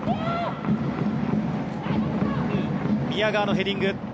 宮川のヘディング。